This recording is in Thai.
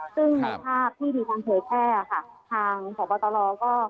ซึ่งภาพที่ดีทางเทพแค่ค่ะทางสวบตลอก็